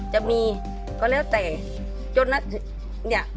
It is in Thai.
จะมีก็แล้วแต่จนนะเนี่ย